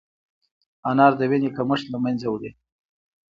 انار د وینې کمښت له منځه وړي.